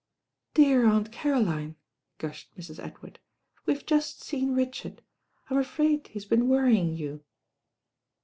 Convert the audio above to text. "Dear Aunt Caroline," gushed Mrs. Edward. We ve just seen Richard. I'm afraid he has been worrying you."